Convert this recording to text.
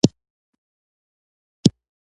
ما د پخلنځي وسایل واخیستل.